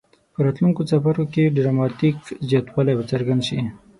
په راتلونکو څپرکو کې ډراماټیک زیاتوالی به څرګند شي.